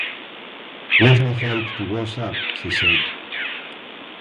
“Let me help to wash up,” she said.